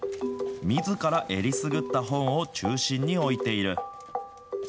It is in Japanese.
みずからえりすぐった本を中心に置いている。